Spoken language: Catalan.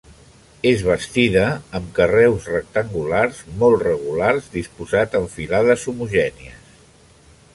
És bastida amb carreus rectangulars molt regulars disposats en filades homogènies.